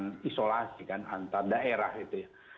kita bisa mengisolasi kan antar daerah itu ya